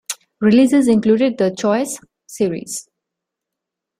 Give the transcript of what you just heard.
Releases included the "Choice" series.